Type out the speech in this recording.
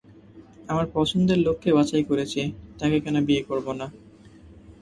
আমার পছন্দের লোককে বাছাই করেছি, তাকে কেন বিয়ে করবো না?